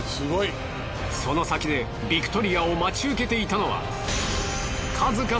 その先でビクトリアを待ち受けていたのは。